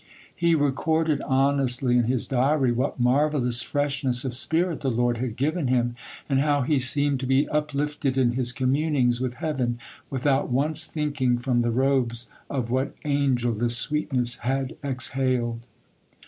He recorded honestly in his diary what marvellous freshness of spirit the Lord had given him, and how he seemed to be uplifted in his communings with heaven, without once thinking from the robes of what angel this sweetness had exhaled.